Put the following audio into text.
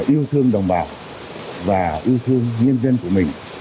yêu thương đồng bào và yêu thương nhân dân của mình